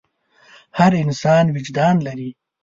هر انسان وجدان لري.